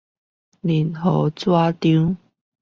任何紙張